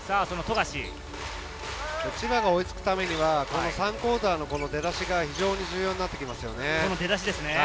千葉が追いつくためには３クオーターの出だしが非常に重要になってきますよね。